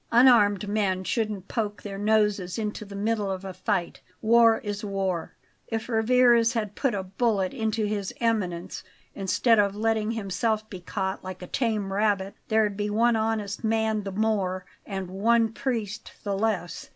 "Unarmed men shouldn't poke their noses into the middle of a fight. War is war. If Rivarez had put a bullet into His Eminence, instead of letting himself be caught like a tame rabbit, there'd be one honest man the more and one priest the less."